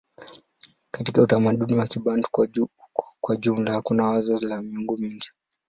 Katika utamaduni wa Kibantu kwa jumla hakuna wazo la miungu mingi.